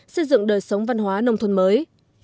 xây dựng đời sống văn hóa nông thuận mới